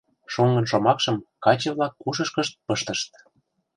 Шоҥгын шомакшым каче-влак ушышкышт пыштышт.